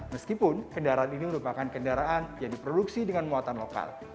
meskipun kendaraan ini merupakan kendaraan yang diproduksi dengan muatan lokal